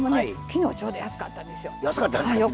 昨日ちょうど安かったんですよ。